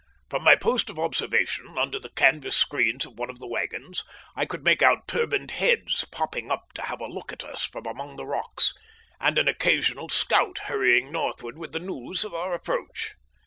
From my post of observation, under the canvas screens of one of the waggons, I could make out turbaned heads popping up to have a look at us from among the rocks, and an occasional scout hurrying northward with the news of our approach.